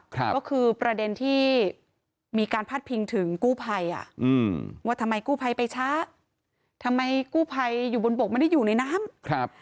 ก็คือประเด็นที่มีการพาดพิงถึงกู้ภัยอ่ะอืมว่าทำไมกู้ภัยไปช้าทำไมกู้ภัยอยู่บนบกไม่ได้อยู่ในน้ำครับ